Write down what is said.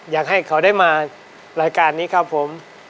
อยากให้เขาได้มารายการนี้ครับผม